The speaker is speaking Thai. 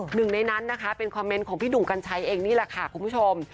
หนึ่งในนั้นนะคะเป็นคอมเมนต์ของพี่หนุ่มกัญชัยเองนี่แหละค่ะคุณผู้ชม